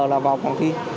là vào phòng thi